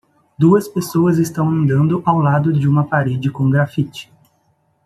Duas pessoas estão andando ao lado de uma parede com graffiti.